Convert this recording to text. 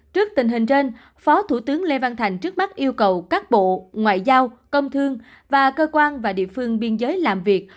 trước tình hình trên phó thủ tướng lê văn thành trước mắt yêu cầu các bộ ngoại giao công thương và cơ quan và địa phương biên giới làm việc